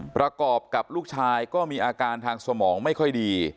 ประกอบกับลูกชายก็มีอาการทางสมองไม่ค่อยดี